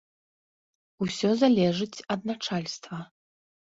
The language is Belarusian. Усё залежыць ад начальства.